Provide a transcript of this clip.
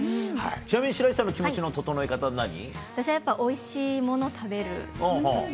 ちなみに白石さんの気持ちの整え私はやっぱり、おいしいものを食べるとき。